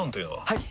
はい！